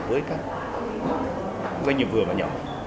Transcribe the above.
với các doanh nghiệp vừa và nhỏ